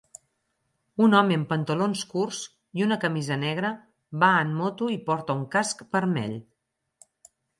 Un home amb pantalons curts i una camisa negra va en moto i porta un casc vermell.